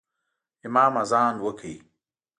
امام اذان وکړ